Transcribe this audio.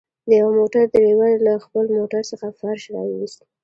د يوه موټر ډريور له خپل موټر څخه فرش راوويست.